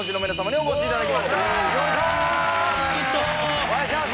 お願いします。